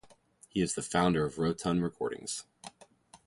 He is the founder of Rottun Recordings.